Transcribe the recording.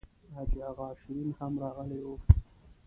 حاجي اغا شېرین هم راغلی و.